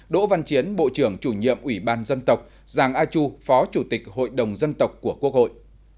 đỗ văn chiến bộ trưởng chủ nhiệm ủy ban dân tộc giàng a chu phó chủ tịch hội đồng dân tộc của quốc hội